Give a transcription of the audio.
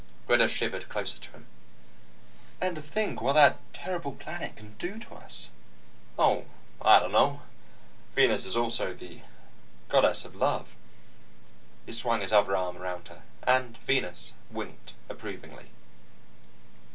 Greta shivered closer to him. "And to think what that terrible planet can do to us!" "Oh, I dunno. Venus is also the Goddess of Love." He swung his other arm around her, and Venus winked approvingly.